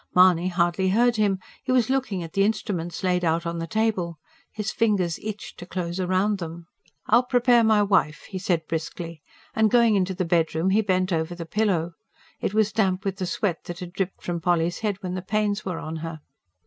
Mahony hardly heard him; he was looking at the instruments laid out on the table. His fingers itched to close round them. "I'll prepare my wife," he said briskly. And going into the bedroom he bent over the pillow. It was damp with the sweat that had dripped from Polly's head when the pains were on her.